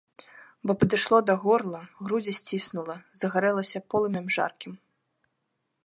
Бо падышло да горла, грудзі сціснула, загарэлася полымем жаркім.